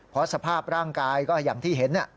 เพราะสภาพร่างกายก็อย่างที่เห็น